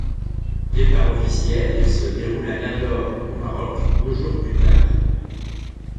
Le départ officiel se déroule à Nador au Maroc deux jours plus tard.